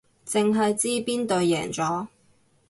淨係知邊隊贏咗